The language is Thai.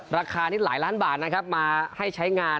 ราคานี้หลายล้านบาทนะครับมาให้ใช้งาน